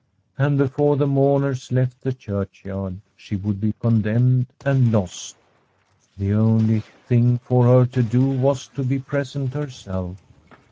And before the mourners left the church yard she would be condemned and lost. The only thing for her to do was to be present herself.